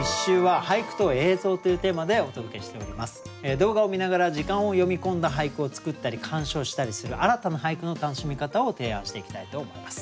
動画を観ながら時間を読み込んだ俳句を作ったり鑑賞したりする新たな俳句の楽しみ方を提案していきたいと思います。